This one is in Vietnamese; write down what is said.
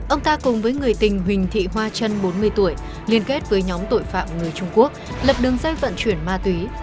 ông ta cùng với người tình huỳnh thị hoa trân bốn mươi tuổi liên kết với nhóm tội phạm người trung quốc lập đường dây vận chuyển ma túy